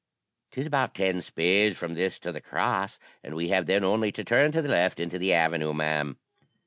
''Tis about ten spades from this to the cross, and we have then only to turn to the left into the avenue, ma'am.'